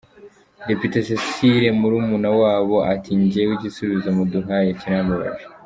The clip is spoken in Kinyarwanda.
Depite Cecile Murumunawabo ati “Njyewe igisubizo muduhaye kirambabaje.